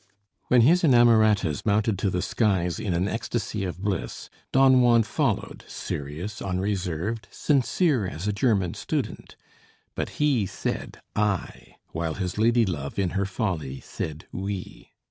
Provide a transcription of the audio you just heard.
When his inamoratas mounted to the skies in an ecstasy of bliss, Don Juan followed, serious, unreserved, sincere as a German student. But he said "I" while his lady love, in her folly, said "we."